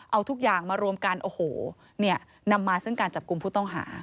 เอาทุกอย่างมารวมกันโอ้โหเนี่ยนำมาซึ่งการจับกลุ่มผู้ต้องหา